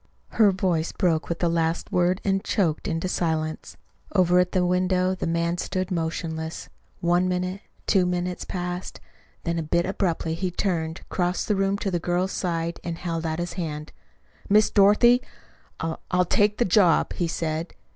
Her voice broke with the last word and choked into silence. Over at the window the man stood motionless. One minute, two minutes passed. Then a bit abruptly he turned, crossed the room to the girl's side, and held out his hand. "Miss Dorothy, I I'll take the job," he said.